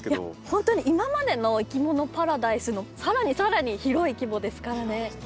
本当に今までの「いきものパラダイス」のさらにさらに広い規模ですからね。